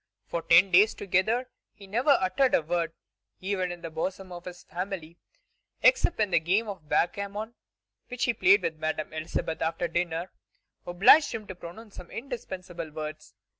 For ten days together he never uttered a word, even in the bosom of his family, except when the game of backgammon, which he played with Madame Elisabeth after dinner, obliged him to pronounce some indispensable words.